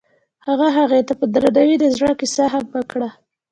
هغه هغې ته په درناوي د زړه کیسه هم وکړه.